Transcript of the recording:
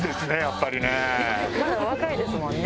まだお若いですもんね？